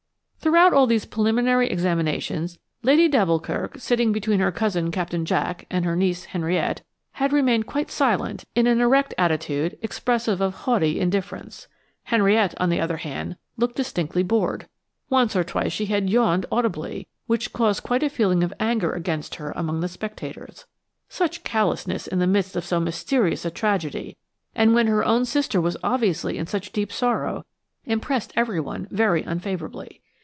Throughout all these preliminary examinations Lady d'Alboukirk, sitting between her cousin Captain Jack and her niece Henriette, had remained quite silent in an erect attitude expressive of haughty indifference. Henriette, on the other hand, looked distinctly bored. Once or twice she had yawned audibly, which caused quite a feeling of anger against her among the spectators. Such callousness in the midst of so mysterious a tragedy, and when her own sister was obviously in such deep sorrow, impressed everyone very unfavourably.